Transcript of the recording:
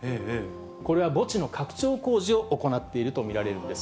これは墓地の拡張工事を行っていると見られるんです。